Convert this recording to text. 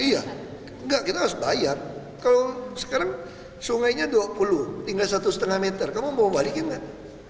iya enggak kita harus bayar kalau sekarang sungainya dua puluh tinggal satu lima meter kamu bawa balikin kan